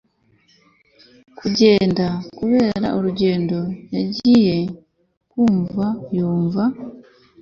kugenda kubera urundo yagiye kumva yumva